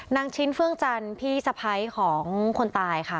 นางชิ้นเฟื่องจันทร์พี่สะพ้ายของคนตายค่ะ